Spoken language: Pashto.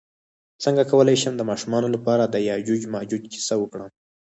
څنګه کولی شم د ماشومانو لپاره د یاجوج ماجوج کیسه وکړم